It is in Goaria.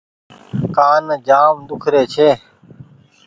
ڪآن جآم ۮوکري ڇي ۔